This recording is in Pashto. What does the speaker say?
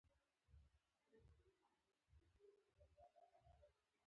شاته پاتې خلک د خپلو ستونزو حل لټوي.